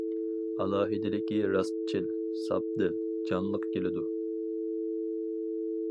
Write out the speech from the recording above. ئالاھىدىلىكى: راستچىل، ساپ دىل، جانلىق كېلىدۇ.